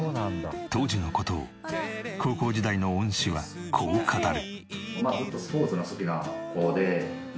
当時の事を高校時代の恩師はこう語る。